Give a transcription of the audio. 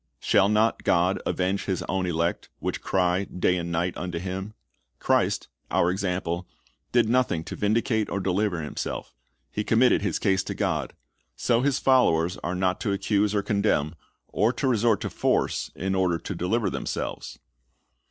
"Shall not God avenge His own elect, which cry day and night unto Him?" Christ, our example, did nothing to vindicate or deliver Himself He committed His case to God. So His followers are not to accuse or condemn, or to resort to force in order to deliver themselves.